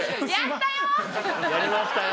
やりましたよ。